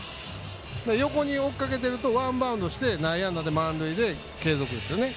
横に追いかけてるとワンバウンドして内野安打で満塁で継続ですよね。